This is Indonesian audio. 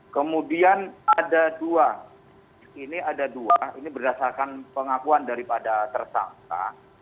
kemudian ada dua ini ada dua ini berdasarkan pengakuan daripada tersangka